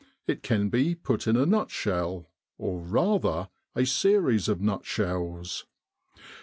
It can be put in a nutshell, or, rather, a series of nutshells.